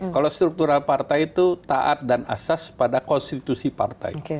kalau struktural partai itu taat dan asas pada konstitusi partai